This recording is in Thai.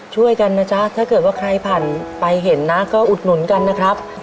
ช่วยกันนะจ๊ะถ้าเกิดว่าใครผ่านไปเห็นนะก็อุดหนุนกันนะครับ